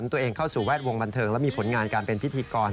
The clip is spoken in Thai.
ตัวเองเข้าสู่แวดวงบันเทิงและมีผลงานการเป็นพิธีกร